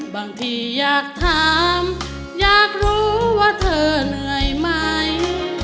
บางทีอยากถามอยากรู้ว่าเธอเหนื่อยไหม